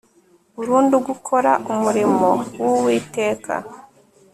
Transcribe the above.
burundu gukora umurimo w'uwiteka